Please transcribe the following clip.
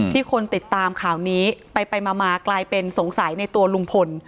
คนติดตามข่าวนี้ไปมากลายเป็นสงสัยในตัวลุงพล